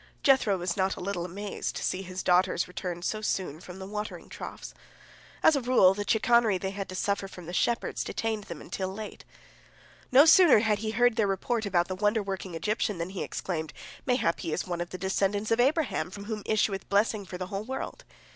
Jethro was not a little amazed to see his daughters return so soon from the watering troughs. As a rule, the chicanery they had to suffer from the shepherds detained them until late. No sooner had he heard their report about the wonder working Egyptian than he exclaimed, "Mayhap he is one of the descendants of Abraham, from whom issueth blessing for the whole world."